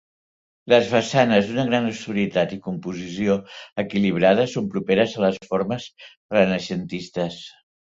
Les façanes, d'una gran austeritat i composició equilibrada, són properes a les formes renaixentistes.